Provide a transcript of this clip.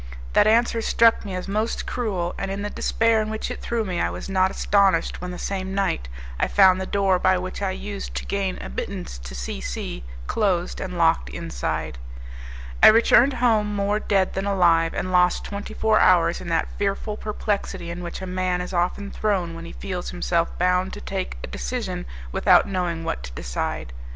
That answer struck me as most cruel, and in the despair in which it threw me I was not astonished when the same night I found the door by which I used to gain admittance to C C closed and locked inside. I returned home more dead than alive, and lost twenty four hours in that fearful perplexity in which a man is often thrown when he feels himself bound to take a decision without knowing what to decide.